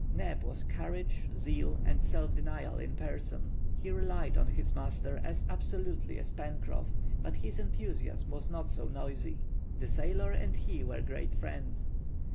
Neb was courage, zeal, and self denial in person. He relied on his master as absolutely as Pencroff, but his enthusiasm was not so noisy. The sailor and he were great friends.